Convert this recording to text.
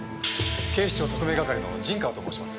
警視庁特命係の陣川と申します。